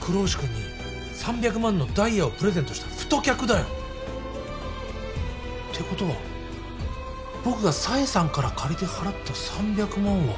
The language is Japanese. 黒丑君に３００万のダイヤをプレゼントした太客だよ。ってことは僕が紗英さんから借りて払った３００万は。